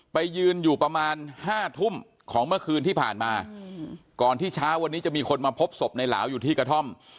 ไปยืนอยู่ประมาณ๕ทุ่มของเมื่อคืนที่ผ่านมาก่อนที่เช้าวันนี้จะมีคนมาพบศพในหลาวอยู่ที่กระท่อม